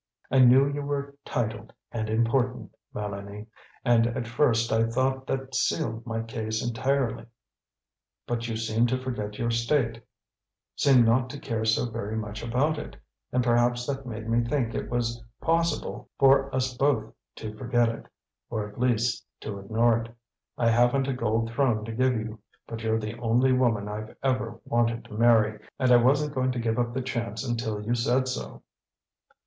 "I knew you were titled and important, Mélanie, and at first I thought that sealed my case entirely. But you seemed to forget your state, seemed not to care so very much about it; and perhaps that made me think it was possible for us both to forget it, or at least to ignore it. I haven't a gold throne to give you; but you're the only woman I've ever wanted to marry, and I wasn't going to give up the chance until you said so."